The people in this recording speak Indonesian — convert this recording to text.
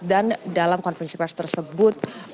dan dalam konferensi pers tersebut